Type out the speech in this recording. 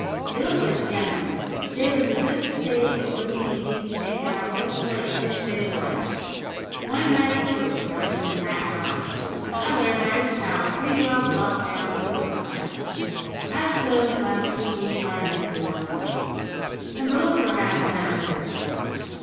They looked like gentlemen; but they was in such a state it wasn't easy to make out what sort o' fish they was. One had his coat torn and his hat gone; the other had his tile pretty well knocked down on his eyes I s'pose by the people he run into on the way an' both were half mad with excitement.